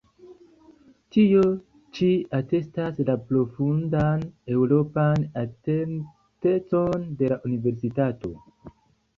Tio ĉi atestas la profundan eŭropan identecon de la Universitato.